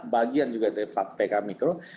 bagian juga dari pk mikro